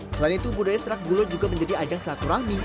selain itu budaya serak gulo juga menjadi ajang selaturahmi